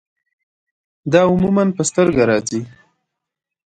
دا عموماً پۀ سترګه راځي